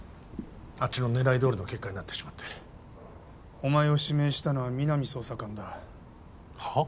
あっちの狙いどおりの結果になってしまってお前を指名したのは皆実捜査官だはっ？